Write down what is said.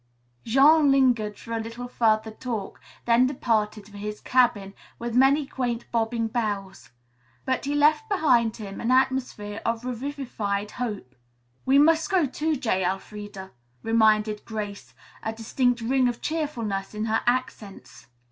Jean lingered for a little further talk, then departed for his cabin, with many quaint bobbing bows. But he left behind him an atmosphere of revivified hope. "We must go, too, J. Elfreda," reminded Grace, a distinct ring of cheerfulness in her accents.